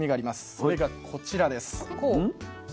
それがこちらです。